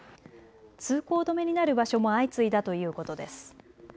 通行止めになる場所も相次いだということです。